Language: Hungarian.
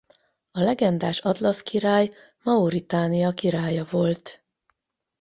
A legendás Atlasz király Mauritánia királya volt.